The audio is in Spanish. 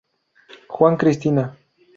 Juan Cristina.